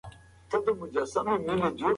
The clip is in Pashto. تداعي ځواک د بریالیتوب راز دی.